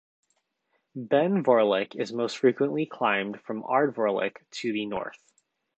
Ben Vorlich is most frequently climbed from Ardvorlich to the north.